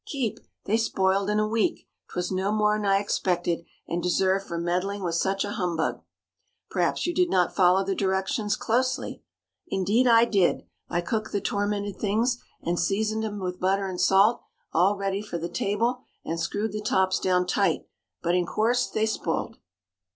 "Keep! they sp'iled in a week! 'Twas no more'n I expected and deserved for meddling with such a humbug." "Perhaps you did not follow the directions closely?" "Indeed I did! I cooked the tormented things, and seasoned 'em with butter and salt, all ready for the table, and screwed the tops down tight. But, in course, they sp'iled!"